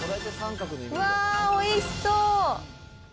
うわー、おいしそう。